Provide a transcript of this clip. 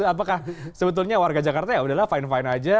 apakah sebetulnya warga jakarta yaudahlah fine fine aja